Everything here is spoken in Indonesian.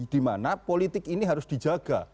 dimana politik ini harus dijaga